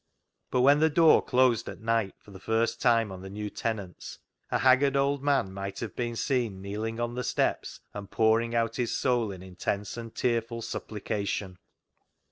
But when the door closed at night for the first time on the new tenants, a haggard old man might have been seen kneeling on the steps and pouring out his soul in intense and tearful supplication.